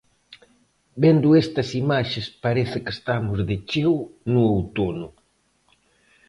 Vendo estas imaxes parece que estamos de cheo no outono.